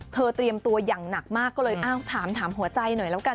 เตรียมตัวอย่างหนักมากก็เลยอ้าวถามหัวใจหน่อยแล้วกัน